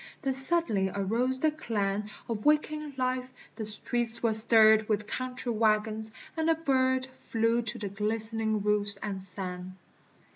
Then suddenly arose the clang Of waking life ; the streets were stirred With country wagons : and a bird Flew to the glistening roofs and sang.